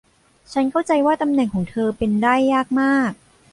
ฉันเข้าใจว่าตำแหน่งของเธอเป็นได้ยากมาก